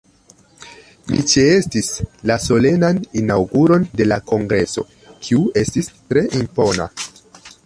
Mi ĉeestis la Solenan Inaŭguron de la kongreso, kiu estis tre impona.